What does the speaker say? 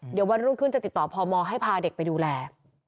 เดี๋ยววันรุ่งขึ้นจะติดต่อพมให้พาเด็กไปดูแล